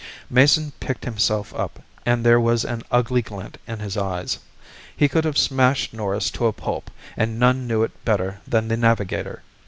Mason picked himself up, and there was an ugly glint in his eyes. He could have smashed Norris to a pulp, and none knew it better than the Navigator.